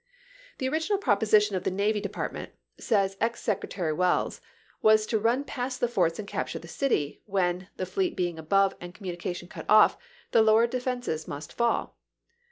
"The original proposition of the Navy Depart ment," says ex Secretary Welles, "was to run past the forts and capture the city, when, the fleet being •M3^aiaxy/' abovc and communication cut off, the lower de pVcTs.' ' fenses must fall."